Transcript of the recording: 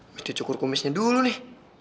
mesti dicukur kumisnya dulu nih